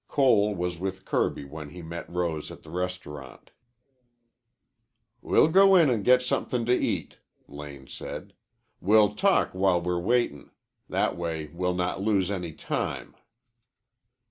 Cole was with Kirby when he met Rose at the restaurant. "We'll go in an' get somethin' to eat," Lane said. "We'll talk while we're waitin'. That way we'll not lose any time."